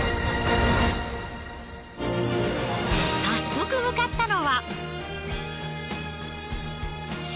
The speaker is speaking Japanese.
早速向かったのは。